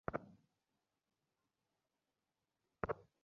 কিন্তু এখন তাদের ঘরের শত্রু বিভীষণ সম্পর্কেই সজাগ হওয়ার সময় হয়েছে।